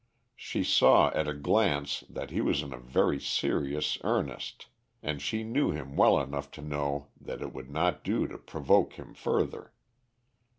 She saw at a glance that he was in very serious earnest, and she knew him well enough to know that it would not do to provoke him further.